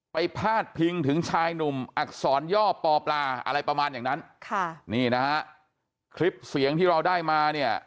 พาดพิงถึงชายหนุ่มอักษรย่อปอปลาอะไรประมาณอย่างนั้นค่ะนี่นะฮะคลิปเสียงที่เราได้มาเนี่ย